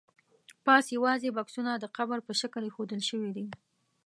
پاس یوازې بکسونه د قبر په شکل ایښودل شوي دي.